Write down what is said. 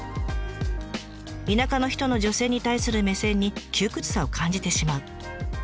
「田舎の人の女性に対する目線に窮屈さを感じてしまう」。